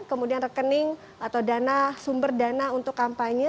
kemudian rekening atau sumber dana untuk kampanye